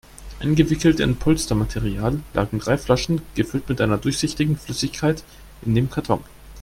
Eingewickelt in Polstermaterial lagen drei Flaschen, gefüllt mit einer durchsichtigen Flüssigkeit, in dem Karton.